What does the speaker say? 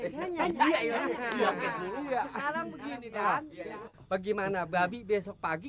kenapa mau ketidur suara saya